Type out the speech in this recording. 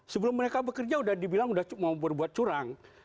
sebelum mereka bekerja sudah dibilang sudah mau berbuat curang